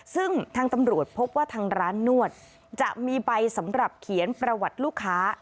ซึ่งทางตำรวจพบว่าทางร้านนวดจะมีใบสำหรับเขียนประวัติลูกค้า